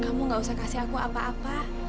kamu gak usah kasih aku apa apa